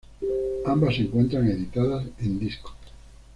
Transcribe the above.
Ambas se encuentran editadas en disco.